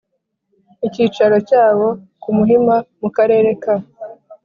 icyicaro cyawo ku Muhima mu Karere ka